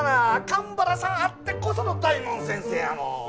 神原さんあってこその大門先生やもん。